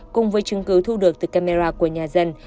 cùng với chứng cứ thu được từ camera của nhà dân